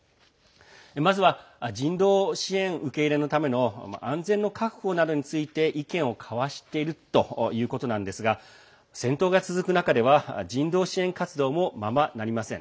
まずは人道支援受け入れのための安全の確保などについて意見を交わしているということなんですが戦闘が続く中では人道支援活動もままなりません。